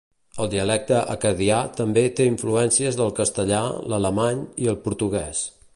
El dialecte acadià també té influències del castellà, l'alemany i el portuguès.